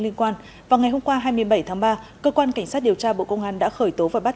liên quan vào ngày hôm qua hai mươi bảy tháng ba cơ quan cảnh sát điều tra bộ công an đã khởi tố và bắt